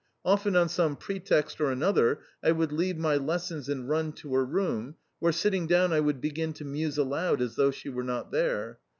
Often on some pretext or another I would leave my lessons and run to her room, where, sitting down, I would begin to muse aloud as though she were not there.